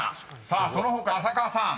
［さあその他浅川さん］